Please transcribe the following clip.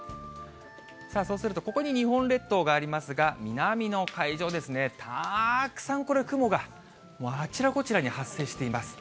そうすると、ここに日本列島がありますが、美波の海上ですね、たくさん、これ、雲があちらこちらに発生しています。